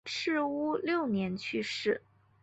赤乌六年去世。